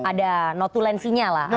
ada notulensinya lah